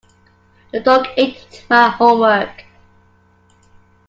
The dog ate my homework.